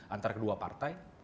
antara kedua partai